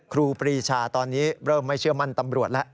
ครูปรีชาตอนนี้เริ่มไม่เชื่อมั่นตำรวจแล้ว